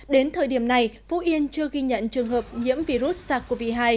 đến thời điểm này phú yên chưa ghi nhận trường hợp nhiễm virus sars cov hai